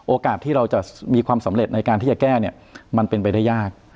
ที่เราจะมีความสำเร็จในการที่จะแก้เนี่ยมันเป็นไปได้ยาก